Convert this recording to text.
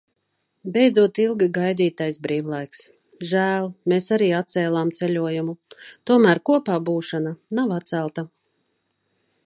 Beidzot ilgi gaidītais brīvlaiks. Žēl, mēs arī atcēlām ceļojumu. Tomēr kopā būšana nav atcelta.